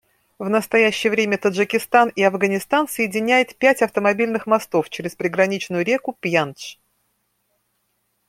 В настоящее время Таджикистан и Афганистан соединяет пять автомобильных мостов через приграничную реку Пяндж.